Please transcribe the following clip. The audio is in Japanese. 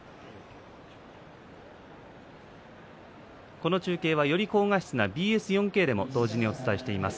この中継はより高画質のＢＳ４Ｋでも放送しています。